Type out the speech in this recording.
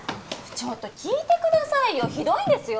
ちょっと聞いてくださいよひどいんですよ